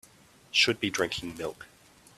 Should be drinking milk.